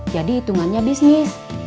jadi hitungannya bisnis